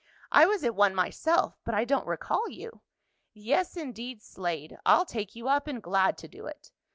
"I was at one myself, but I don't recall you. Yes indeed, Slade, I'll take you up and glad to do it.